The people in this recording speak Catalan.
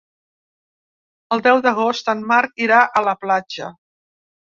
El deu d'agost en Marc irà a la platja.